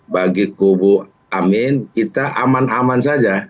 bagi kubu amin kita aman aman saja